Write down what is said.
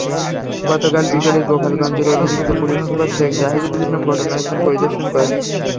গতকাল বিকেলে গোপালগঞ্জের অতিরিক্ত পুলিশ সুপার শেখ জাহিদুল ইসলাম ঘটনাস্থল পরিদর্শন করেছেন।